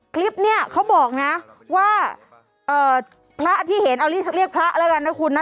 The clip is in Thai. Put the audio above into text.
คลิปเนี่ยเขาบอกนะว่าพระที่เห็นเอาเรียกพระแล้วกันนะคุณนะ